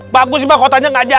bagus sih mahkotanya nggak jauh